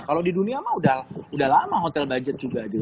kalau di dunia mah udah lama hotel budget juga